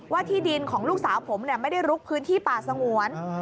ที่ดินของลูกสาวผมไม่ได้ลุกพื้นที่ป่าสงวน